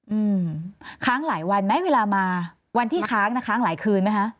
อืมค้างหลายวันไหมเวลามาวันที่ค้างนะคะค้างหลายคืนไหมคะ